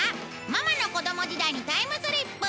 ママの子供時代にタイムスリップ